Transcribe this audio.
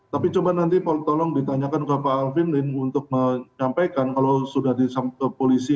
tapi coba nanti tolong ditanyakan ke pak alvin lin untuk menyampaikan kalau sudah disampaikan ke polisi